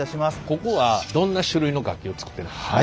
ここはどんな種類の楽器を作ってるんですか？